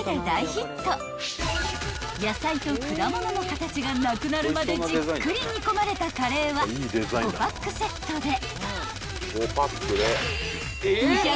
［野菜と果物の形がなくなるまでじっくり煮込まれたカレーは５パックセットで］